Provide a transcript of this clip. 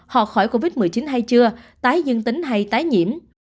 họ khỏi khỏi covid một mươi chín hay chưa tái dương tính hay tái nhiễm